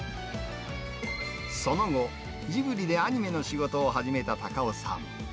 その後、ジブリでアニメの仕事を始めた太夫さん。